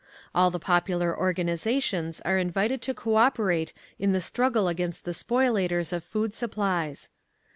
All the popular organisations are invited to cooperate in the struggle against the spoliators of food supplies.